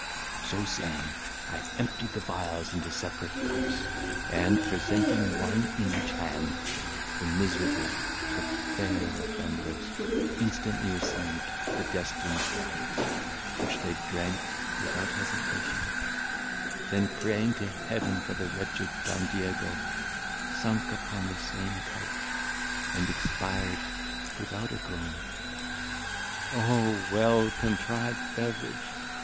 So saying, I emptied the vials into separate cups, and, presenting one in each hand, the miserable, the fair offenders instantly received the destined draughts, which they drank without hesitation; then praying to heaven for the wretched Don Diego, sunk upon the same couch, and expired without a groan. O well contrived beverage!